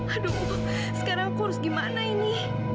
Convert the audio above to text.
aduh sekarang aku harus gimana ini